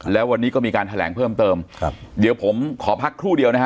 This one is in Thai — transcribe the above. แล้ววันนี้ก็มีการแถลงเพิ่มเติมครับเดี๋ยวผมขอพักครู่เดียวนะฮะ